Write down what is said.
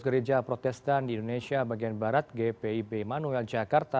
gereja protestan di indonesia bagian barat gpib emanuel jakarta